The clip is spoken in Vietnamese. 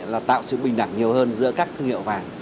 là tạo sự bình đẳng nhiều hơn giữa các thương hiệu vàng